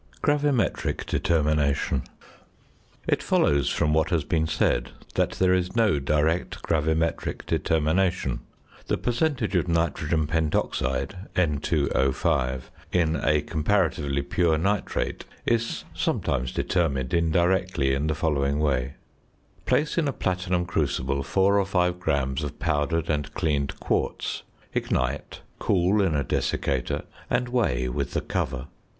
GRAVIMETRIC DETERMINATION. It follows from what has been said that there is no direct gravimetric determination. The percentage of nitrogen pentoxide (N_O_) in a comparatively pure nitrate is sometimes determined indirectly in the following way: Place in a platinum crucible 4 or 5 grams of powdered and cleaned quartz. Ignite, cool in a desiccator, and weigh with the cover.